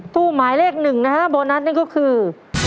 ตู้หมายเลขหนึ่งนะฮะโบนัสนั่นก็คือ